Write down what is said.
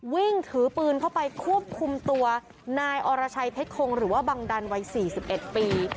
วิ่งถือปืนเข้าไปควบคุมตัวนายอรชัยเพชรคงหรือว่าบังดันวัย๔๑ปี